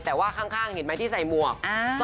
แต่ค้างเห็นมั้ยที่ใส่หมวก